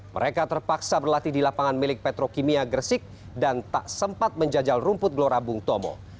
mereka terpaksa berlatih di lapangan milik petrokimia gresik dan tak sempat menjajal rumput gelora bung tomo